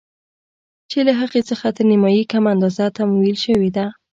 چې له هغې څخه تر نيمايي کمه اندازه تمويل شوې ده.